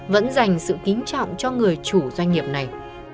vẫn dành sự kính trọng cho người chủ doanh nghiệp này